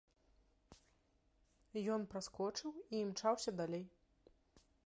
Ён праскочыў і імчаўся далей.